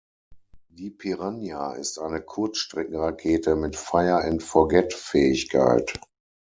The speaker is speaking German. Die Piranha ist eine Kurzstreckenrakete mit Fire-and-Forget-Fähigkeit.